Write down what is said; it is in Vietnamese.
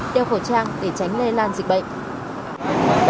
đeo khẩu trang để tránh lây lan dịch bệnh